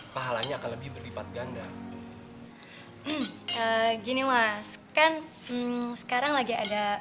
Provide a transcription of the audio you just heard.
pahalanya akan lebih berlipat ganda